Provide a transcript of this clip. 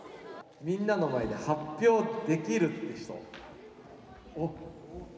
みんなの前で発表できるっていう人？